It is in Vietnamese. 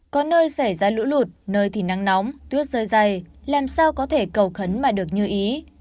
có nơi xảy ra lũ lụt nơi thì nắng nóng tuyết rơi dày làm sao có thể cầu khấn mà được như ý